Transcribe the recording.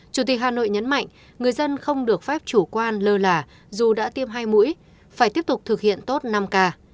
chủ tịch hà nội nhấn mạnh người dân không được phép chủ quan lơ là dù đã tiêm hai mũi phải tiếp tục thực hiện tốt năm k